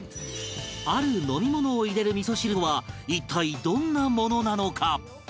ある飲み物を入れる味噌汁とは一体どんなものなのか？